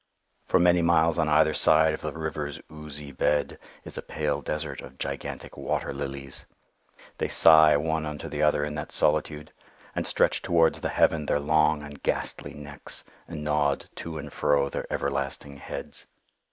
For many miles on either side of the river's oozy bed is a pale desert of gigantic water lilies. They sigh one unto the other in that solitude, and stretch towards the heaven their long and ghastly necks, and nod to and fro their everlasting heads.